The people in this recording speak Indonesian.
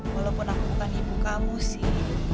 walaupun aku bukan ibu kamu sih